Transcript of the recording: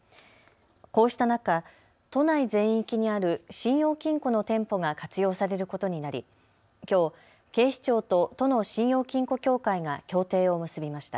こうした中、都内全域にある信用金庫の店舗が活用されることになり、きょう警視庁と都の信用金庫協会が協定を結びました。